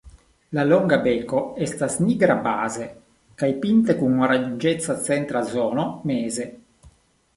La longa beko estas nigra baze kaj pinte kun oranĝeca centra zono meze.